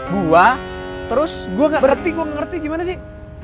gua terus gua gak bererti gua gak ngerti gimana sih